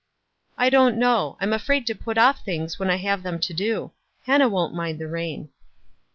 "I don't know. I'm afraid to put off things when I have them to do. Hannah won't mind the rain."